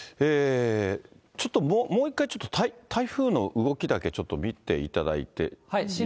ちょっともう一回、台風の動きだけ、ちょっと見ていただいて。